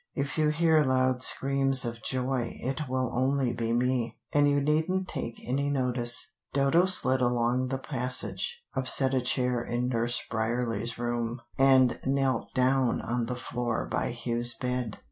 If you hear loud screams of joy, it will only be me, and you needn't take any notice." Dodo slid along the passage, upset a chair in Nurse Bryerley's room, and knelt down on the floor by Hugh's bed.